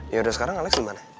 yaudah sekarang alex gimana